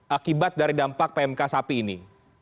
akibat dari dampak pmk sapi ini